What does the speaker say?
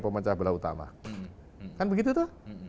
pemecah belah utama kan begitu tuh